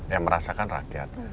yang merasakan rakyat